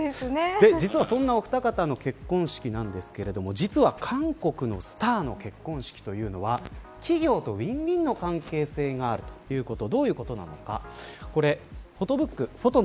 実は、そんなお二方の結婚式なんですけれども実は韓国のスターの結婚式というのは企業とウィンウィンの関係性があるということ。